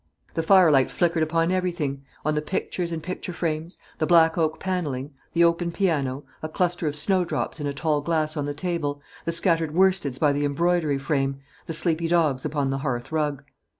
The firelight flickered upon everything on the pictures and picture frames, the black oak paneling, the open piano, a cluster of snowdrops in a tall glass on the table, the scattered worsteds by the embroidery frame, the sleepy dogs upon the hearth rug.